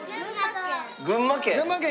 群馬県？